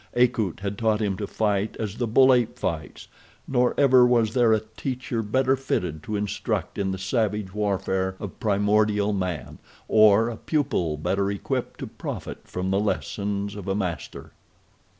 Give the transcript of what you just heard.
Akut had taught him to fight as the bull ape fights, nor ever was there a teacher better fitted to instruct in the savage warfare of primordial man, or a pupil better equipped to profit by the lessons of a master.